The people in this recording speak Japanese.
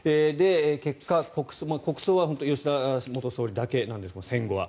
結果、国葬は本当に吉田元総理だけです戦後は。